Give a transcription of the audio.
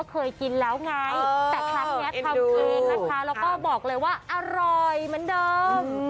เคยกินแล้วไงแต่ครั้งนี้ทำเองนะคะแล้วก็บอกเลยว่าอร่อยเหมือนเดิม